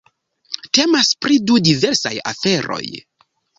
Temas pri du diversaj aferoj.